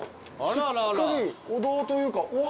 しっかりお堂というかうわ。